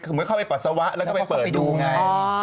คือเหมือนเข้าไปปัสสาวะแล้วก็ไปเปิดดูไง